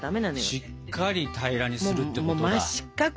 しっかり平らにするってことだ。